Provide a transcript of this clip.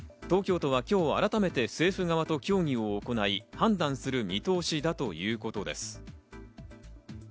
東京都は今日、改めて政府側と協議を行い、判断する見通しだということです。